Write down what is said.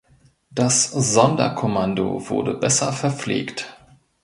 Das Sonderkommando wurde besser verpflegt.